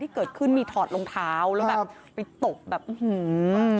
เกิดขึ้นมีถอดรองเท้าแล้วแบบไปตบแบบอื้อหือ